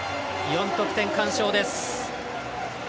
４得点、完勝です。